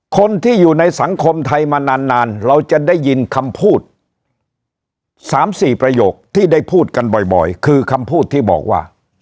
คนที่อยู่ในสังคมไทยมานานเราจะได้ยินคำพูด๓๔ประโยคที่ได้พูดกันบ่อยคือคำพูดที่บอกว่า